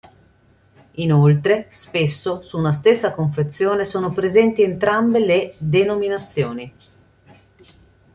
Inoltre, spesso su una stessa confezione sono presenti entrambe le denominazioni.